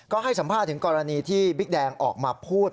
ก็ให้สัมภาษณ์ถึงกรณีที่บิ๊กแดงออกมาพูด